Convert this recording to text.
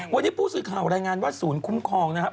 วันนี้ผู้สื่อข่าวรายงานว่าศูนย์คุ้มครองนะครับ